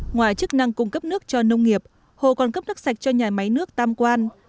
ngoài chức năng cung cấp nước cho nông nghiệp hồ còn cấp nước sạch cho nhà máy nước tam quan